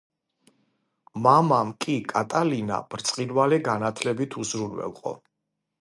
მამამ კი კატალინა ბრწყინვალე განათლებით უზრუნველყო.